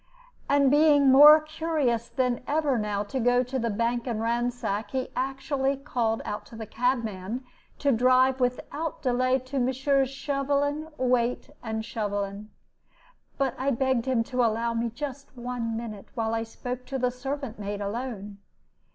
And being more curious than ever now to go to the bank and ransack, he actually called out to the cabman to drive without delay to Messrs. Shovelin, Wayte, and Shovelin. But I begged him to allow me just one minute while I spoke to the servant maid alone.